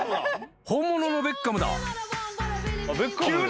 ［本物のベッカムだ］